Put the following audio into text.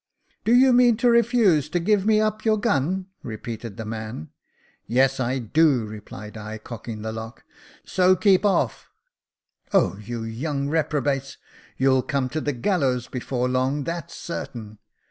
" Do you mean to refuse to give me up your gun ?" repeated the man. " Yes I do," replied I, cocking the lock j " so keep off." " Oh ! you young reprobates — you'll come to the gallows before long, that's certain.